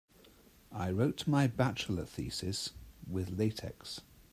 I wrote my bachelor thesis with latex.